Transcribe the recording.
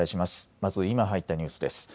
まず今入ったニュースです。